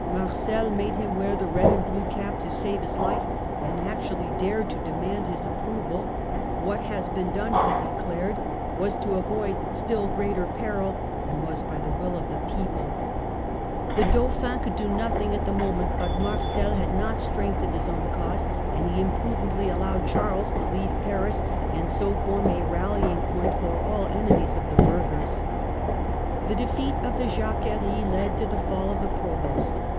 Marcel made him wear the red and blue cap to save his life, and actually dared to demand his approval ; "what has been done," he declared, " was to avoid still greater peril and was by the will of the people ". The FRENCH HISTORY, 1328 1380 149 Dauphin could do nothing at the moment, but Marcel had not strengthened his own cause, and he imprudently allowed Charles to leave Paris, and so form a rallying point for all enemies of the burghers. The defeat of the Jacquerie led to the fall of the Provost.